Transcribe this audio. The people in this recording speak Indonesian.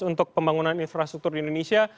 untuk pembangunan infrastruktur di indonesia